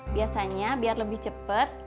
biasanya biar lebih cepet